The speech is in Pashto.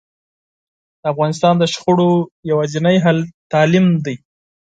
د افغانستان د شخړو یواځینی حل تعلیم ده